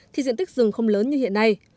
thì diện tích rừng không lớn như hiện nay